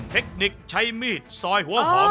เทคนิคใช้มีดซอยหัวหอม